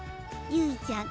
ゆいちゃん